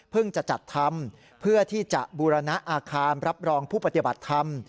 จะจัดทำเพื่อที่จะบูรณะอาคารรับรองผู้ปฏิบัติธรรม